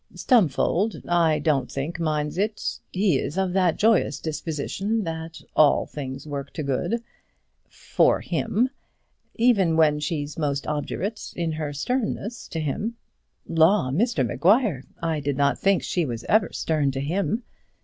"Stumfold I don't think minds it; he is of that joyous disposition that all things work to good for him. Even when she's most obdurate in her sternness to him " "Law! Mr Maguire, I did not think she was ever stern to him."